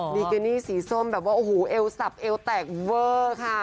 ิกินี่สีส้มแบบว่าโอ้โหเอวสับเอวแตกเวอร์ค่ะ